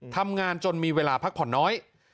ทำงานจนมีเวลาพักผ่อนน้อย